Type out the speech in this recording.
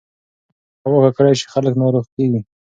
که هوا ککړه شي، خلک ناروغ کېږي.